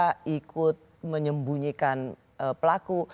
mereka ikut menyembunyikan pelaku